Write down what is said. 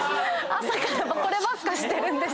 朝からこればっかしてるんです。